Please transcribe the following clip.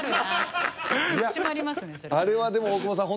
いやあれはでも大久保さん